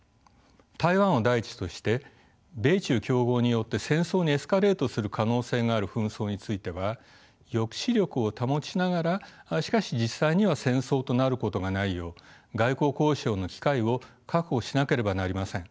台湾を第一として米中競合によって戦争にエスカレートする可能性がある紛争については抑止力を保ちながらしかし実際には戦争となることがないよう外交交渉の機会を確保しなければなりません。